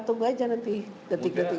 tunggu aja nanti detik detik